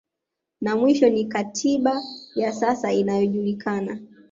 Na mwisho ni katiba ya sasa inayojulikana